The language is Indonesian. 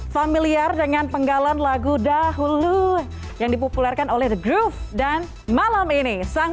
familiar dengan penggalan lagu dahulu yang dipopulerkan oleh the groove dan malam ini sang